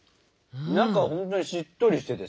中ほんとにしっとりしててさ。